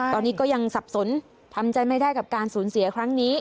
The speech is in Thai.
ตอนนี้ก็ยังสับสนทำใจไม่ได้กับการสูญเสียครั้งนี้